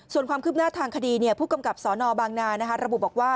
ส่วนความคืบหน้าทางคดีผู้กำกับสนบางนาระบุบอกว่า